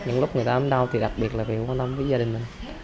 những lúc người ta đau thì đặc biệt là quan tâm tới gia đình mình